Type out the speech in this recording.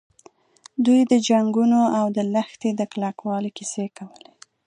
دوی د جنګونو او د لښتې د کلکوالي کیسې کولې.